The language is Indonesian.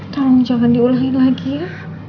tolong jangan diulangi lagi ya